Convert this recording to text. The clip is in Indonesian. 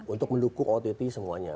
untuk mendukung ott semuanya